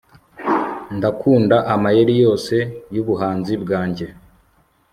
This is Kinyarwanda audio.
Ndakunda amayeri yose yubuhanzi bwanjye